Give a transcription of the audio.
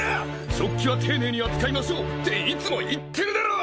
食器は丁寧に扱いましょうっていつも言ってるだろ！